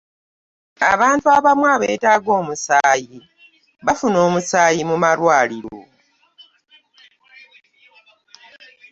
abantu abamu abetaaga omusaayi bafuna omusaayi mu malwaliro.